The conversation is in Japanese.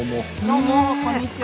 どうもこんにちは。